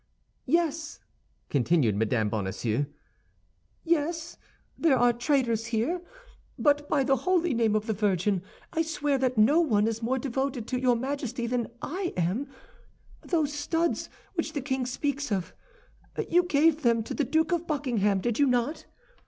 "Yes," continued Mme. Bonacieux, "yes, there are traitors here; but by the holy name of the Virgin, I swear that no one is more devoted to your Majesty than I am. Those studs which the king speaks of, you gave them to the Duke of Buckingham, did you not?